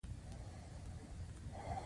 د انجینر پوهه په دوه ډوله لاس ته راځي.